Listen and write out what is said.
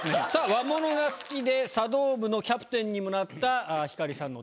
和ものが好きで茶道部のキャプテンにもなった星さんの。